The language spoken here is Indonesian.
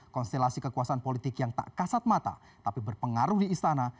konstelasi kekuasaan politik yang tak kasat mata tapi berpengaruh di istana